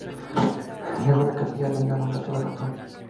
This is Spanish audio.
Luego, la capilla dio nombre a toda la zona.